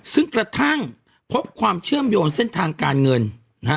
ซึ่งกระทั่งพบความเชื่อมโยงเส้นทางการเงินนะฮะ